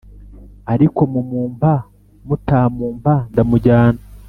ariko mumumpa, mutamumpa ,ndamujyana